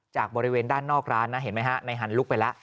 จากบริเวณด้านนอกร้านนะเห็นไหมฮะในฮันลุกไปแล้ว